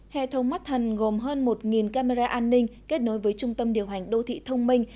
hệ thống mắt thần gồm hơn một camera an ninh kết nối với trung tâm điều hành đô thị thông minh